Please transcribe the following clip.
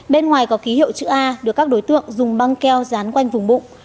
bên ngoài có ký hiệu chữ a được các đối tượng dùng băng keo dán quanh vùng bụng